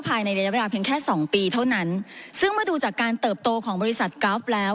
ภายในระยะเวลาเพียงแค่สองปีเท่านั้นซึ่งเมื่อดูจากการเติบโตของบริษัทกราฟแล้ว